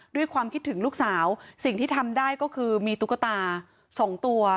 ด้วยความคิดถึงลูกสาวสิ่งที่ทำได้ก็คือมีตุ๊กตาสองตัว